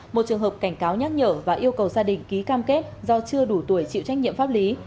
một trường hợp cảnh cáo nhắc nhở và yêu cầu gia đình ký cam kết do chưa đủ tuổi chịu trách nhiệm pháp lý